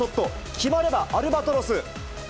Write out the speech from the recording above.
決まればアルバトロス。